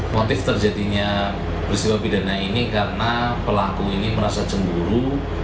motif terjadinya peristiwa pidana ini karena pelaku ini merasa cemburu